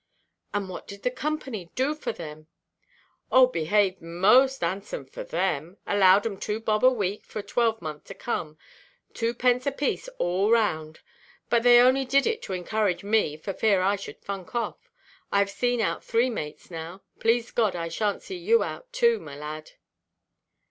"And what did the Company do for them?" "Oh, behaved most 'andsome for them. Allowed 'em two bob a week for a twelvemonth to come—twopence apiece all round. But they only did it to encourage me, for fear I should funk off. I have seen out three mates now. Please God, I shanʼt see you out too, my lad."